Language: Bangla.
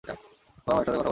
তোমার মায়ের সাথে কথা বলেছ।